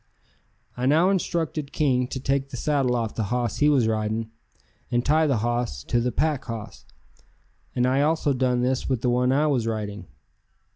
I now instructed King to take the saddle off the hoss he was riding and tie the hoss to the pack hoss, and I also done this with the one I was riding.